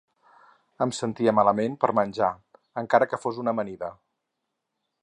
Em sentia malament per menjar, encara que fos una amanida.